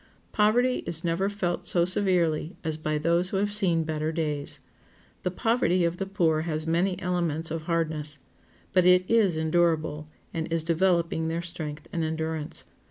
Poverty is never felt so severely as by those who have seen better days. The poverty of the poor has many elements of hardness, but it is endurable, and is developing their strength and endurance.